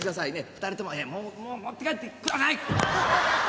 二人とももう持って帰ってください！」